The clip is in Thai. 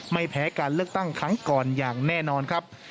ไม่แพ้การเลือกตั้งครั้งก่อนอย่างแน่นอนครับ